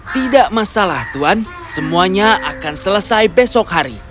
tidak masalah tuhan semuanya akan selesai besok hari